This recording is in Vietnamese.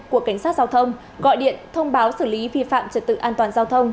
của cảnh sát giao thông gọi điện thông báo xử lý vi phạm trật tự an toàn giao thông